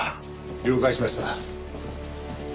了解しました。